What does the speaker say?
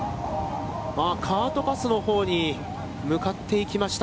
カートパスのほうに向かっていきました。